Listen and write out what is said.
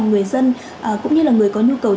người dân cũng như là người có nhu cầu